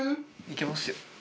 いけますよ。